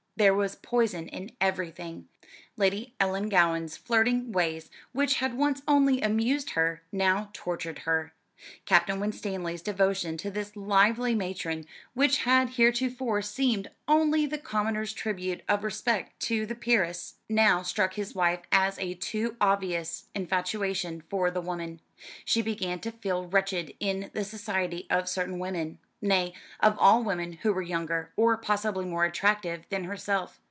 There was poison in everything. Lady Ellangowan's flirting ways, which had once only amused her, now tortured her. Captain Winstanley's devotion to this lively matron, which had heretofore seemed only the commoner's tribute of respect to the peeress, now struck his wife as a too obvious infatuation for the woman. She began to feel wretched in the society of certain women nay, of all women who were younger, or possibly more attractive, than herself.